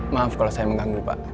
maaf kalau saya mengganggu pak